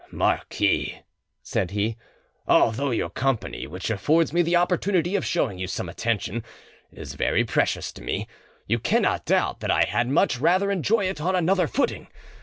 "Marquis," said he, "although your company, which affords me the opportunity of showing you some attention, is very precious to me, you cannot doubt that I had much rather enjoy it on another footing.